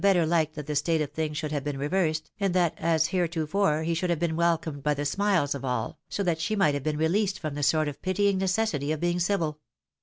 861 bettnr liked that the state of things should have been reversed, and that, as heretofore, he should have been welcomed by the smiles of all, so that she might have been released from the sort of pitying necessity of being civil.